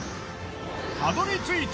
たどり着いた